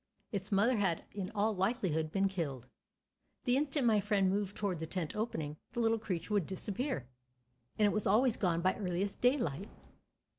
Its mother had in all likelihood been killed. The instant my friend moved toward the tent opening the little creature would disappear, and it was always gone by earliest daylight.